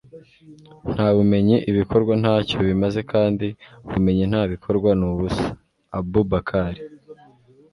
nta bumenyi ibikorwa nta cyo bimaze kandi ubumenyi nta bikorwa ni ubusa. - abu bakari